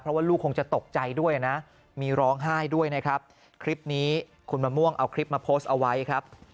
เพราะว่าลูกคงจะตกใจด้วยนะมีร้องไห้ด้วยนะครับคลิปนี้คุณมะม่วงเอาคลิปมาโพสต์เอาไว้ครับ